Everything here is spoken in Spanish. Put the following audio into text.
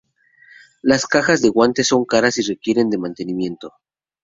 Las cajas de guantes son caras y requieren de mantenimiento.